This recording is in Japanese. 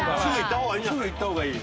すぐ行った方がいい。